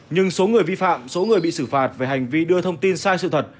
nhưng số người vi phạm số người bị xử phạt về hành vi đưa thông tin sai sự thật